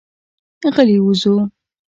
غلي وځو.